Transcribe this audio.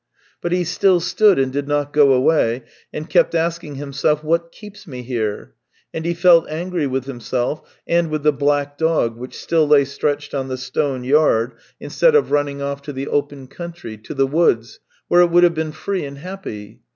... But he still stood and did not go away, and kept asking himself: " What keeps me here ?" And he felt angry with himself and with the black dog, which still lay stretched on the stone yard, instead of running off to the open country, to the woods, where it would have been free and happy.